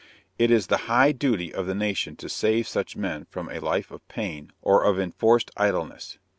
It is the high duty of the nation to save such men from a life of pain or of enforced idleness.